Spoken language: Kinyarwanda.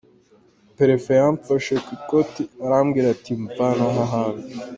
Perefe yamfashe ku ikoti arambwira ati mvana aha hantu.